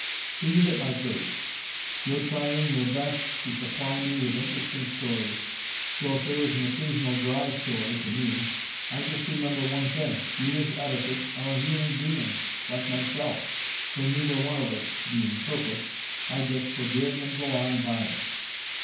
So you get my trade. You're trying your best to supply me with interesting stories so if there is an occasional dry story (to me), I just remember one thing: you, as Editor, are a human being like myself; so, neither one of us being perfect, I just forgive and go on buying.